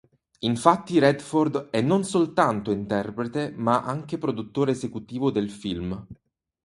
Infatti Redford è non soltanto interprete ma anche produttore esecutivo del film.